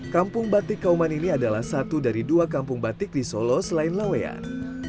kampung batik kauman ini adalah satu dari dua kampung batik di solo selain laweyan